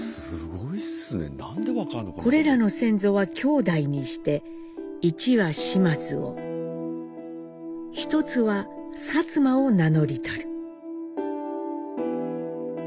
「之等の先祖は兄弟にして一は嶋津を一つは薩摩を名のりたる」。